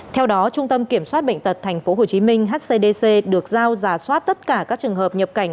theo đó trung tâm kiểm soát bệnh tật tp hcm hcdc được giao giả soát tất cả các trường hợp nhập cảnh